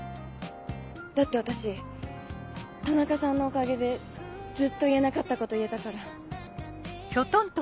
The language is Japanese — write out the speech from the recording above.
だって私田中さんのおかげでずっと言えなかったこと言えたから。